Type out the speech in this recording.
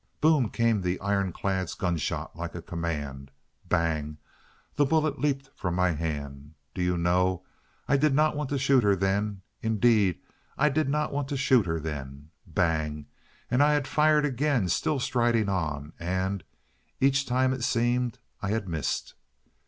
"Boom!" came the ironclad's gunshot like a command. "Bang!" the bullet leapt from my hand. Do you know, I did not want to shoot her then. Indeed I did not want to shoot her then! Bang! and I had fired again, still striding on, and—each time it seemed I had missed.